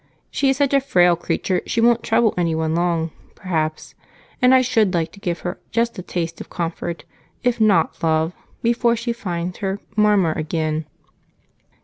She is such a frail creature she won't trouble anyone long, perhaps, and I should like to give her just a taste of comfort, if not love, before she finds her 'Marmar' again."